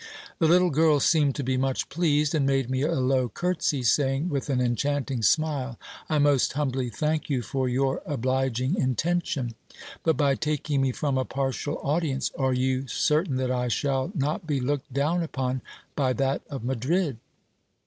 The little girl seemed to be much pleased, and made me a low curtsey, saying with an enchanting smile : I most humbly thank you for your obliging inten tion ; but, by taking me from a partial audience, are you certain that I shall not be looked down upon by that of Madrid